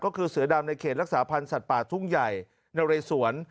ก็คือเสือดำในเขตรักษาพันธ์สัตว์ป่าทุ่งใหญ่นเรสวน